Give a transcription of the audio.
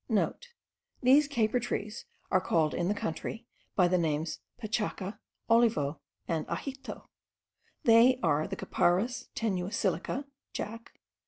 *(* These caper trees are called in the country, by the names pachaca, olivo, and ajito: they are the Capparis tenuisiliqua, Jacq.